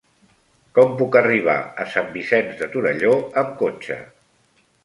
Com puc arribar a Sant Vicenç de Torelló amb cotxe?